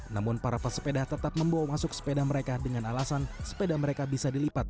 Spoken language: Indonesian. namun para pesepeda tetap membawa masuk sepeda mereka dengan alasan sepeda mereka bisa dilipat